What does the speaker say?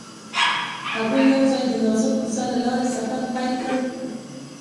هغوی یوځای د نازک کوڅه له لارې سفر پیل کړ.